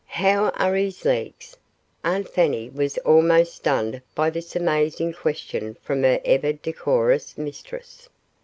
How are his legs?" Aunt Fanny was almost stunned by this amazing question from her ever decorous mistress.